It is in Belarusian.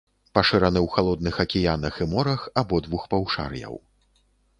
Пашыраны ў халодных акіянах і морах абодвух паўшар'яў.